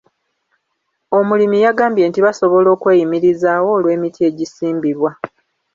Omulimi yagambye nti basobola okweyimirizaawo olw'emiti egisimbiddwa.